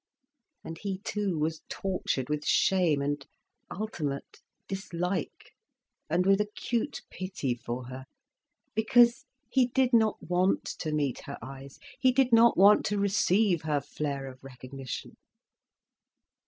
And he too was tortured with shame, and ultimate dislike, and with acute pity for her, because he did not want to meet her eyes, he did not want to receive her flare of recognition.